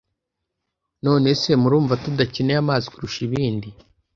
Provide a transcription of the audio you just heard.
None se murumva tudakeneye amazi kurusha ibindi